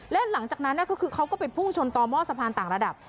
และหลังจากนั้นก็คือเขาก็ไปพุ่งชนต่อหม้อสะพานต่างระดับ